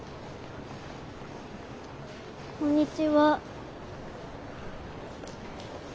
こんにちは。